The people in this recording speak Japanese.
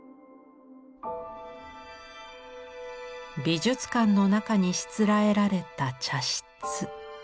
美術館の中にしつらえられた茶室。